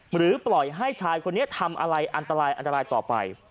หรือปล่อยให้ชายคนนี้ทำอะไรอันตรายอันตรายต่อไป